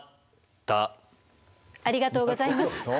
ありがとうございます。